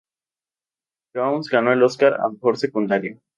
Jones ganó el Oscar a mejor secundario.